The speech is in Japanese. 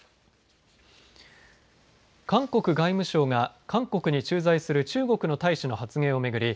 韓国外務省が韓国に駐在する中国の大使の発言を巡り